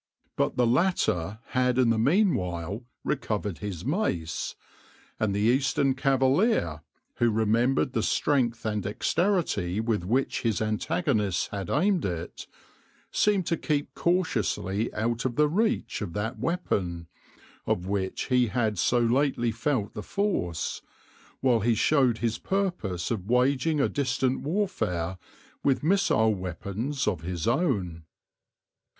But the latter had in the meanwhile recovered his mace, and the Eastern cavalier, who remembered the strength and dexterity with which his antagonist had aimed it, seemed to keep cautiously out of the reach of that weapon, of which he had so lately felt the force, while he showed his purpose of waging a distant warfare with missile weapons of his own.